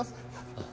あっ。